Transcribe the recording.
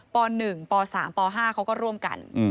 ป๑ป๓ป๕เขาก็ร่วมกัน